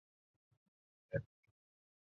盐滨是东京都江东区的町名。